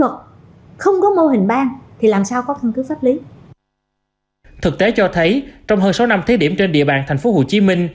thực tế cho thấy trong hơn sáu năm thí điểm trên địa bàn tp hcm